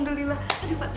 saya promisi ya pak